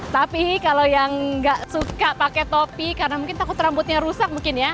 tapi kalau yang nggak suka pakai topi karena mungkin takut rambutnya rusak mungkin ya